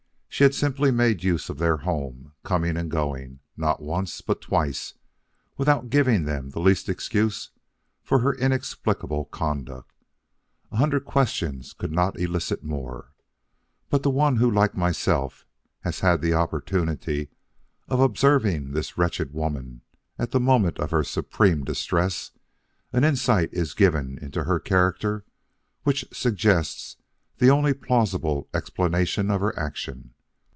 She had simply made use of their home, coming and going, not once, but twice, without giving them the least excuse for her inexplicable conduct. A hundred questions could not elicit more. But to one who like myself has had the opportunity of observing this wretched woman at the moment of her supreme distress an insight is given into her character, which suggests the only plausible explanation of her action.